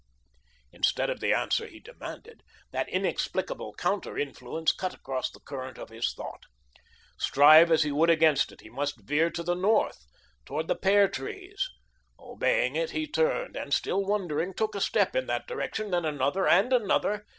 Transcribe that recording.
Instead of the Answer he demanded, that inexplicable counter influence cut across the current of his thought. Strive as he would against it, he must veer to the north, toward the pear trees. Obeying it, he turned, and, still wondering, took a step in that direction, then another and another.